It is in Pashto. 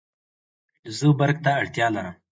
زه برق ته اړتیا لرم